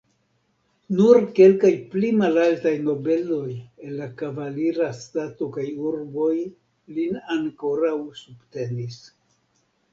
Nur kelkaj pli malaltaj nobeloj el la kavalira stato kaj urboj lin ankoraŭ subtenis.